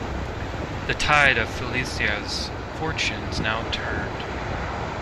The tide of Filicaja's fortunes now turned.